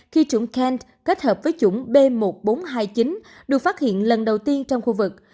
khi chủng kent kết hợp với chủng b một bốn hai chín được phát hiện lần đầu tiên trong khu vực